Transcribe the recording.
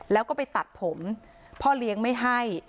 แล้วก็ไปตัดผมพ่อเลี้ยงไม่ให้